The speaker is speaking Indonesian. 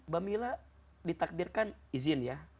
bamiila ditakdirkan izin ya